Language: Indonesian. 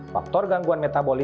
faktor gangguan metabolis